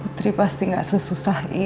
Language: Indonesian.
putri pasti gak sesusah ini kan